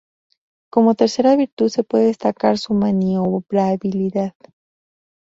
Como tercera virtud se puede destacar su maniobrabilidad.